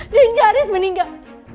dia nyaris meninggal